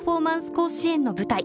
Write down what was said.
甲子園の舞台。